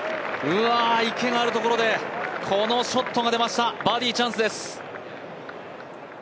池があるところでこのショットが出ました、バーディーチャンスです。